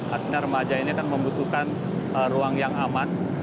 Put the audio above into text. artinya remaja ini kan membutuhkan ruang yang aman